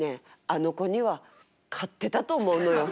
あの子には勝ってたと思うのよ。